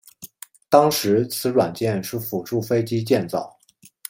当时此软件是辅助飞机建造。